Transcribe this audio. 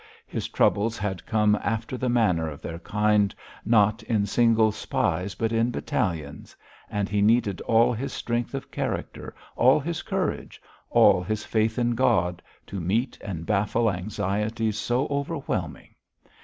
His troubles had come after the manner of their kind, 'not in single spies, but in battalions,' and he needed all his strength of character, all his courage, all his faith in God, to meet and baffle anxieties so overwhelming.